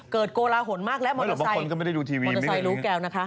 เกิดโกลาหลหลห่นมากแล้วมอเตอร์ไซค์ลูกแก้วนะคะ